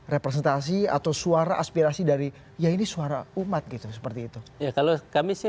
representasi atau suara aspirasi dari ya ini suara umat gitu seperti itu ya kalau kami sih